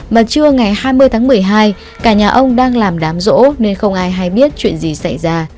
mà trưa ngày hai mươi tháng một mươi hai cả nhà ông đang làm đám rỗ nên không ai hay biết chuyện gì xảy ra